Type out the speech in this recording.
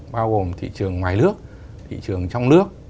bao gồm thị trường ngoài nước thị trường trong nước